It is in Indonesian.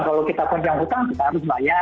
kalau kita pegang hutang kita harus bayar